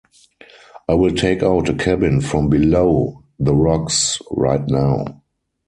I will take out a cabin from below the rocks right now.